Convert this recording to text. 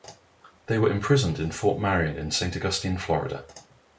They were imprisoned in Fort Marion in Saint Augustine, Florida.